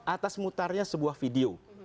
atas mutarnya sebuah video